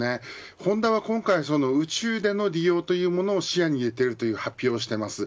ホンダは今回宇宙での利用というものも視野に入れているという発表をしています。